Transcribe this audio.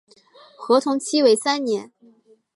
合同期为三年。